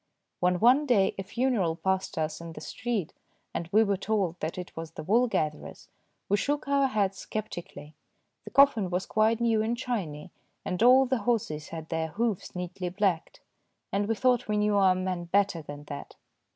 When one day a funeral passed us in the street, and we were told that it was the wool gatherer's, we shook our heads sceptically. The coffin was quite new and shiny, and all the horses had their hoofs neatly blacked, and we thought we knew our man better than that.